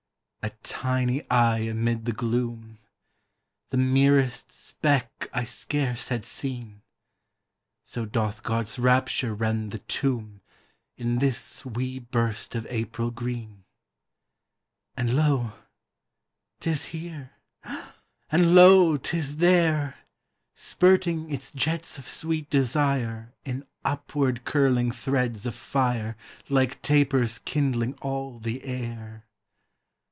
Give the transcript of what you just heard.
A tiny eye amid the gloom — 82 EASTER The merest speck I scarce had seen — So doth God's rapture rend the tomb In this wee burst of April green! And lo, 'tis here! — and lo, 'tis there! — Spurting its jets of sweet desire In upward curling threads of fire Like tapers kindling all the air.